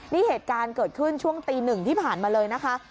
นี่เหตุการณ์เกิดขึ้นช่วงตีหนึ่งที่ผ่านมาเลยนะคะ